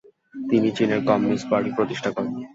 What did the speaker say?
তিনি চীনের Communist Party প্রতিষ্ঠা করেন।